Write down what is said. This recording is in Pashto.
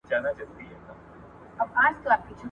پخواني جنګونه تر اوسنیو هغو ډېر دردونکي وو.